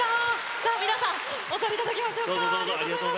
皆さんお座りいただきましょう。